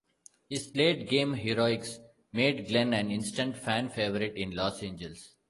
His late-game heroics made Glen an instant fan favorite in Los Angeles.